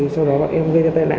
sau đó bọn em gây ra tai nạn